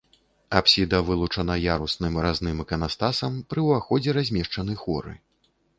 Апсіда вылучана ярусным разным іканастасам, пры ўваходзе размешчаны хоры.